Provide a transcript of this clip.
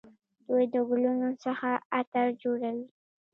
دوی د ګلونو څخه عطر جوړوي.